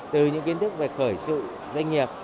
từ những kiến thức về khởi sự doanh nghiệp